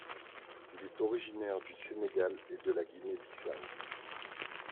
Il est originaire du Sénégal et de la Guinée-Bissau.